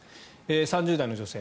３０代の女性。